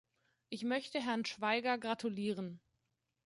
Ich möchte Herrn Schwaiger gratulieren.